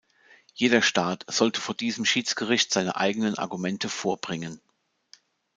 Jeder Staat sollte vor diesem Schiedsgericht seine eigenen Argumente vorbringen.